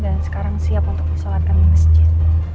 dan sekarang siap untuk bersolat di masjid